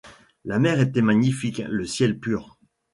La mer était magnifique, le ciel pur.